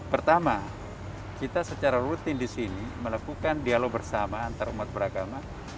pertama kita secara rutin di sini melakukan dialog bersama antarumat beragama